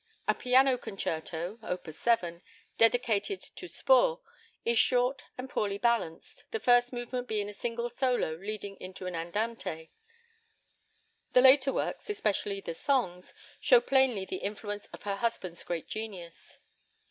A piano concerto, Op. 7, dedicated to Spohr, is short and poorly balanced, the first movement being a single solo leading into the andante. The later works, especially the songs, show plainly the influence of her husband's great genius.